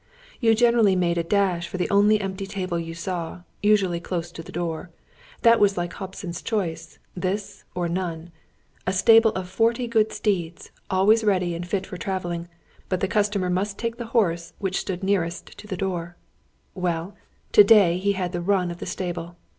You generally made a dash for the only empty table you saw, usually close to the door. That was like Hobson's choice this or none! A stable of forty good steeds, always ready and fit for travelling, but the customer must take the horse which stood nearest to the door! Well, to day he had the run of the stable.